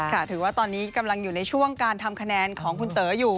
ถือว่าตอนนี้กำลังอยู่ในช่วงการทำคะแนนของคุณเต๋ออยู่